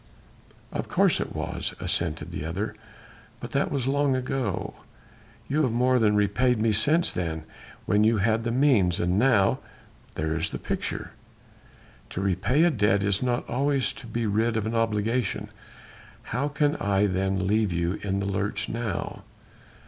"Of course it was," assented the other, "but that was long ago. You have more than repaid me since then ... when you had the means ... and now there is the picture...." "To repay a debt is not always to be rid of an obligation. How can I then leave you in the lurch now?"